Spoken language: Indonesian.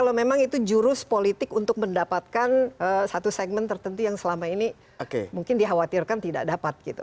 kalau memang itu jurus politik untuk mendapatkan satu segmen tertentu yang selama ini mungkin dikhawatirkan tidak dapat gitu